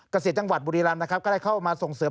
เกษตรจังหวัดบุรีรำนะครับก็ได้เข้ามาส่งเสริม